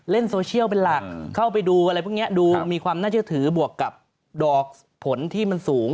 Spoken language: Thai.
โซเชียลเป็นหลักเข้าไปดูอะไรพวกนี้ดูมีความน่าเชื่อถือบวกกับดอกผลที่มันสูง